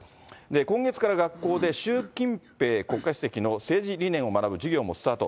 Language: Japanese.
今月から学校で、習近平国家主席の政治理念を学ぶ授業もスタート。